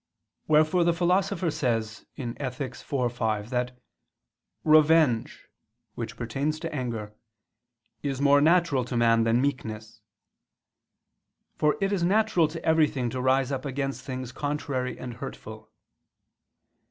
Wherefore the Philosopher says (Ethic. iv, 5) that "revenge" which pertains to anger "is more natural to man than meekness": for it is natural to everything to rise up against things contrary and hurtful.